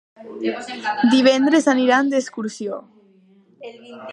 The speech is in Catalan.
Divendres aniran d'excursió.